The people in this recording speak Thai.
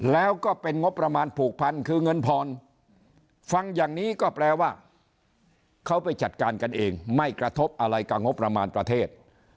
แล้วก็เป็นงบประมาณผูกพันคือเงินพรฟังอย่างนี้ก็แปลว่าเขาไปจัดการกันเองไม่กระทบอะไรกับงบประมาณประเทศ